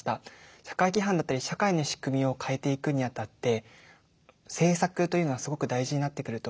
社会規範だったり社会の仕組みを変えていくにあたって政策というのはすごく大事になってくると考えています。